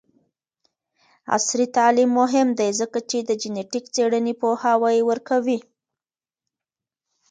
عصري تعلیم مهم دی ځکه چې د جینیټک څیړنې پوهاوی ورکوي.